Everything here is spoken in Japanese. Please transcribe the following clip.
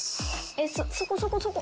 ｓそこそこそこ。